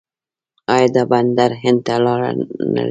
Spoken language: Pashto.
آیا دا بندر هند ته لاره نلري؟